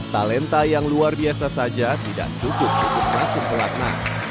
talenta yang luar biasa saja tidak cukup untuk masuk ke pelatnas